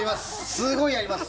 すごいやります。